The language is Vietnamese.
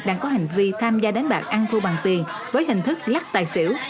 đang có hành vi tham gia đánh bạc ăn thu bằng tiền với hình thức lắc tài xỉu